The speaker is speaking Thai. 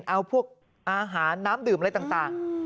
เอาพวกอาหารน้ำดื่มอะไรต่าง